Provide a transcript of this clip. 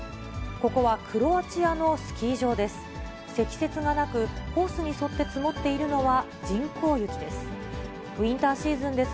ここはクロアチアのスキー場です。